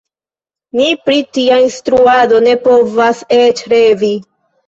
Mi pri tia instruado ne povas eĉ revi.